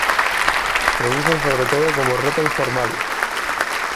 Se usan sobre todo como ropa informal.